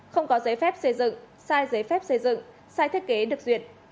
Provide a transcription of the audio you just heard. không có giấy phép xây dựng sai giấy phép xây dựng sai thiết kế được duyệt